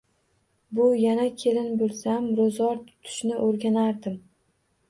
Bu: «Yana kelin bo'lsam, ro'zg'or tutishni o'rganardim»